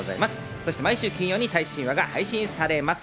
そして毎週金曜に最新話が配信されます。